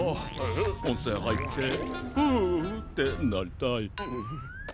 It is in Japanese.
おんせんはいってフってなりたい。